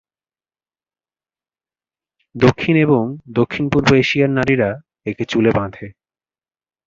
দক্ষিণ এবং দক্ষিণ-পূর্ব এশিয়ার নারীরা একে চুলে বাঁধে।